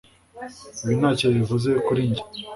Ibi ntacyo bivuze kuri njye